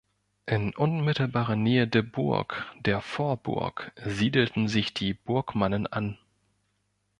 In unmittelbarer Nähe der Burg, der „Vorburg“, siedelten sich die Burgmannen an.